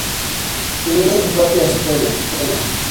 Teniendo su propia escuela.